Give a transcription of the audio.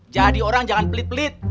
jadi orang jangan pelit pelit